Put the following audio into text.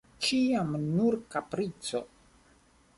Ĉiam nur kaprico!